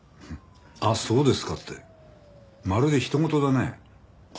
「あっそうですか」ってまるで人ごとだね。